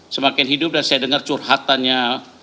semakin hidup dan saya dengar curhatannya